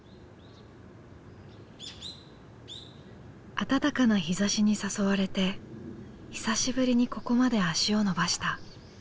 暖かな日ざしに誘われて久しぶりにここまで足を延ばした。